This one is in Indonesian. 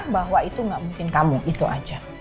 bahwa itu gak mungkin kamu itu aja